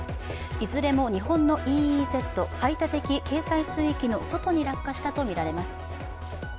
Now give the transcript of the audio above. いずれも日本のＥＥＺ＝排他的経済水域の外に落下したとみられます。